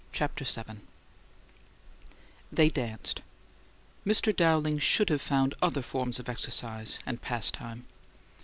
CHAPTER VII They danced. Mr. Dowling should have found other forms of exercise and pastime.